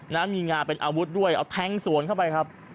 นะมีงาเป็นอาวุธด้วยเอาแทงสวนเข้าไปครับ